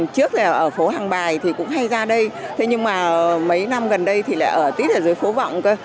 trước là ở phố hàng bài thì cũng hay ra đây thế nhưng mà mấy năm gần đây thì lại ở tít ở dưới phố vọng cơ